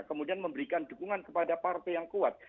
kemudian memberikan dukungan kepada partai yang kuat